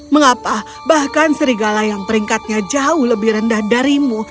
mengapa bahkan serigala yang peringkatnya jauh lebih rendah darimu